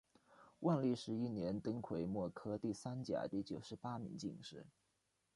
万历十一年登癸未科第三甲第九十八名进士。